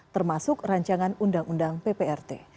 termasuk rancangan undang undang pprt